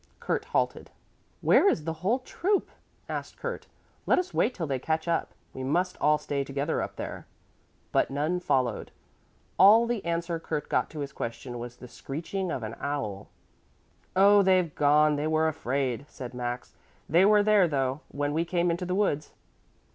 Kurt halted. "Where is the whole troup?" asked Kurt. "Let us wait till they catch up. We must all stay together up there." But none followed. All the answer Kurt got to his question was the screaching of an owl. "Oh, they've gone, they were afraid," said Max. "They were there, though, when we came into the woods."